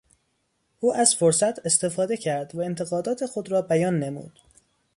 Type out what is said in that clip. او از فرصت استفاده کرد و انتقادات خود را بیان نمود.